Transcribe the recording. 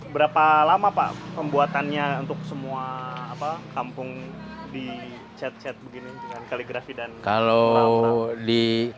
berapa lama pak pembuatannya untuk semua kampung di chat chat begini dengan kaligrafi dan laut